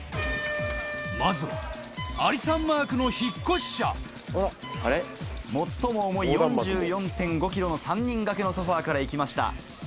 まずはアリさんマークの引越社最も重い４４．５ｋｇの３人掛けのソファから行きました。